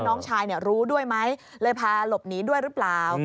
น้องชายรู้ด้วยไหมเลยพาหลบหนีด้วยหรือเปล่า